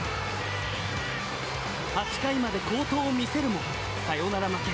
８回まで好投を見せるもサヨナラ負け。